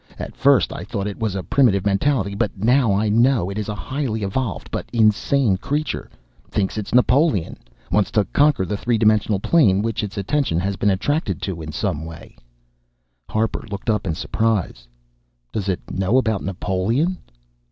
At first I thought it was a primitive mentality, but now I know it is a highly evolved, but insane creature, thinks it's Napoleon, wants to conquer the three dimensional plane which its attention has been attracted to in some way " Harper looked up in surprise. "Does it know about Napoleon?"